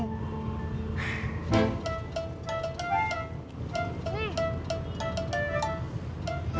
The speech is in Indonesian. nggak ada kembaliannya